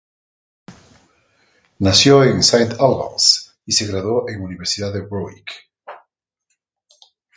Nació en St Albans y se graduó en Universidad de Warwick.